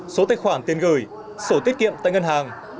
số tài khoản tiền gửi sổ tiết kiệm tại ngân hàng